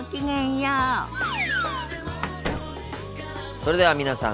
それでは皆さん